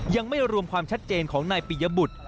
ยังไม่รวมความชัดเจนของนายปิยบุตร